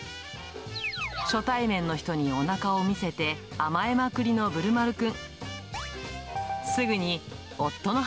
初対面の人におなかを見せて、甘えまくりのぶるまるくん。